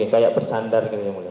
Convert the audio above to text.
ini kayak bersandar